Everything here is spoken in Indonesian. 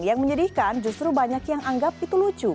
yang menyedihkan justru banyak yang anggap itu lucu